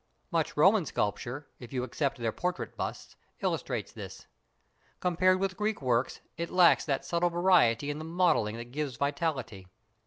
Much Roman sculpture, if you except their portrait busts, illustrates this. Compared with Greek work it lacks that subtle variety in the modelling that gives vitality.